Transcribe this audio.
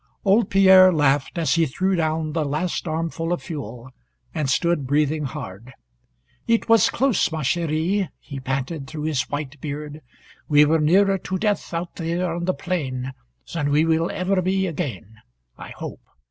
Old Pierre laughed as he threw down the last armful of fuel, and stood breathing hard. "It was close, ma cheri" he panted through his white beard. "We were nearer to death out there on the plain than we will ever be again, I hope.